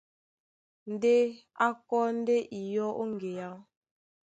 Ndé a kɔ́ ndé iyɔ́ ó ŋgeá.